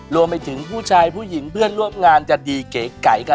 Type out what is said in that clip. รวมไปถึงผู้ชายผู้หญิงเพื่อนร่วมงานจะดีเก๋ไก่ค่ะ